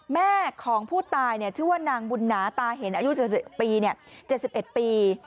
แม่ของผู้ตายชื่อว่านางบุญหนาตาเห็นอายุปี๗๑ปี